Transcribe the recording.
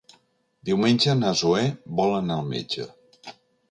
Diumenge na Zoè vol anar al metge.